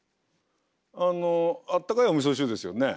あのあったかいおみそ汁ですよね？